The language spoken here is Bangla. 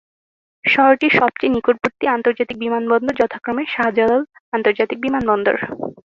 শহরটির সবচেয়ে নিকটবর্তী আন্তর্জাতিক বিমানবন্দর যথাক্রমে শাহজালাল আন্তর্জাতিক বিমানবন্দর।